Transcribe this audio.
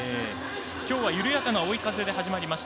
きょうは緩やかな追い風で始まりました。